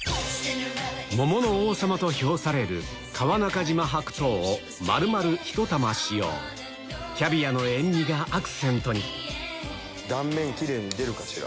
桃の王様と評される川中島白桃を丸々１玉使用キャビアの塩味がアクセントに断面キレイに出るかしら。